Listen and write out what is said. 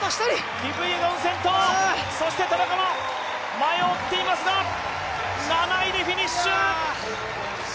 キプイエゴン、先頭、そして田中も前を追っていますが、７位でフィニッシュ。